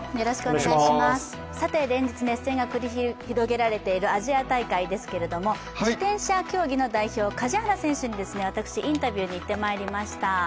連日、熱戦が繰り広げられているアジア大会ですけれども、自転車競技の代表・梶原選手に私、インタビューに行ってまいりました。